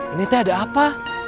ini ada apa